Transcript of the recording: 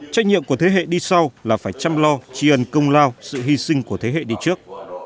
trách nhiệm của thế hệ đi sau là phải chăm lo tri ân công lao sự hy sinh của thế hệ đi trước